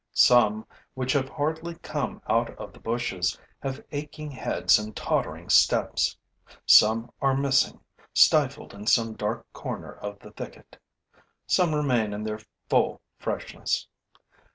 Some, which have hardly come out of the bushes, have aching heads and tottering steps; some are missing, stifled in some dark corner of the thicket; some remain in their full freshness.